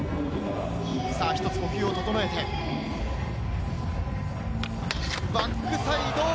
一つ呼吸を整えて、バックサイド。